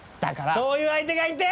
そういう相手がいて！